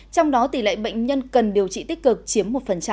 trong đó tỷ lệ bệnh nhân cần điều trị tích cực chiếm một